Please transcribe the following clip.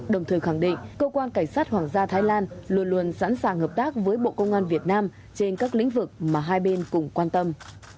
đồng thời khẳng định cơ quan cảnh sát hoàng gia thái lan luôn luôn sẵn sàng hợp tác với bộ công an việt nam trên các lĩnh vực mà hai bên cùng quan tâm